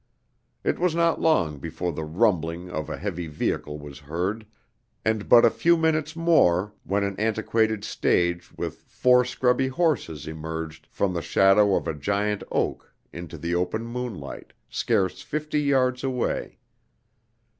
It was not long before the rumbling of a heavy vehicle was heard, and but a few minutes more when an antiquated stage with four scrubby horses emerged from the shadow of a giant oak into the open moonlight, scarce fifty yards away.